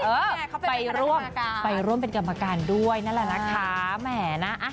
เพาะเออไปร่วมเป็นกรรมการด้วยนะแหละค่ะ